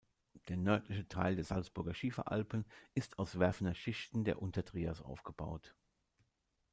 Der nördliche Teil der Salzburger Schieferalpen ist aus "Werfener Schichten" der Untertrias aufgebaut.